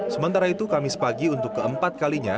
sementara itu kami sepagi untuk keempat kalinya